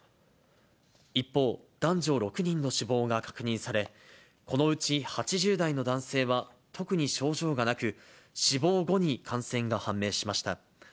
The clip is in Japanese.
一方、男女６人の死亡が確認され、このうち８０代の男性は、特に症状がなく、死亡後に感染が判明しました。